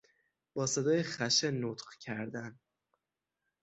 با صدای خشن نطق کردن